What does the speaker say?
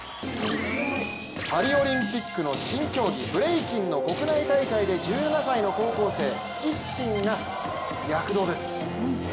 パリオリンピックの新競技、ブレイキンの国内大会で１７歳の高校生一心が躍動です。